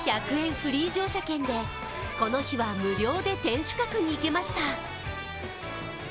フリー乗車券でこの日は無料で天守閣に行けました。